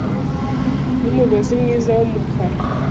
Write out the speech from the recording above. n'umugozi mwiza w'umukara